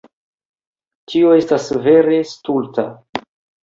Tio estas vere stulta.